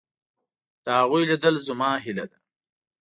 د هغوی لیدل زما هیله ده.